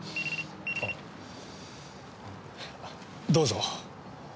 どうぞ。